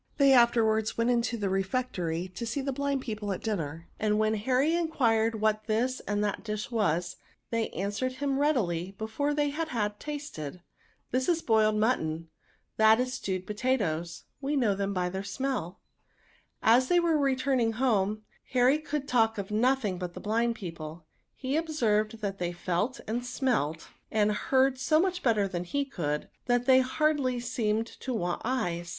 They afterwards went into the refectory to see the blind people at dinner ; and when Harry enquired what this and that dish was, they answered him readily before they had had tasted, " This is boiled mutton, that is stewed potatoes; we know them by their smeU." As they were returning home, Harry could talk of nothing but the blind people ; he ob served that they felt, and smelt, and heard so much better than he could, that they hardly seemed to want eyes.